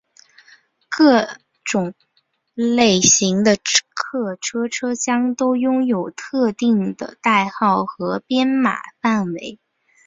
各种类型的客车车厢都拥有特定的代号和编码范围。